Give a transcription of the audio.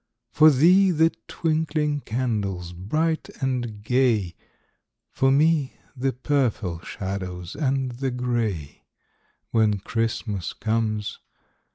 For thee, the twinkling candles bright and gay, For me, the purple shadows and the grey, When Christmas comes.